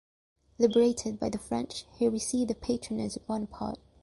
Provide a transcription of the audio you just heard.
Liberated by the French, he received the patronage of Bonaparte.